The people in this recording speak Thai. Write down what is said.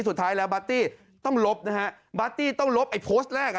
สุดท้ายแล้วปาร์ตี้ต้องลบนะฮะบาร์ตี้ต้องลบไอ้โพสต์แรกอ่ะ